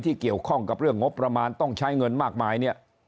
เกี่ยวข้องกับเรื่องงบประมาณต้องใช้เงินมากมายเนี่ย